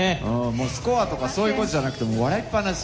もうスコアとかそういうことじゃなくて、もう笑いっぱなし。